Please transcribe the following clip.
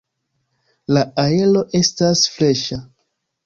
La aero estas freŝa.